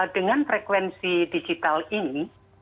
dengan frekuensi digital ini